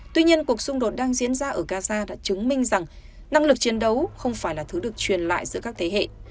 tuy nhiên cuộc xung đột đang diễn ra ở gaza đã chứng minh rằng năng lực chiến đấu không phải là thứ được truyền lại giữa các thế hệ